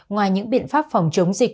ngoài những biện pháp phòng chống dịch